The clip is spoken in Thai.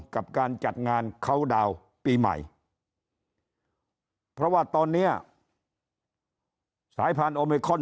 กับการจัดงานเขาดาวน์ปีใหม่เพราะว่าตอนนี้สายพันธุมิคอน